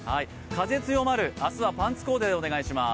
風強まる、明日はパンツコーデでお願いします。